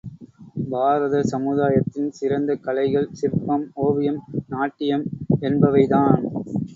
பாரத சமுதாயத்தின் சிறந்த கலைகள் சிற்பம், ஓவியம், நாட்டியம் என்பவைதாம்.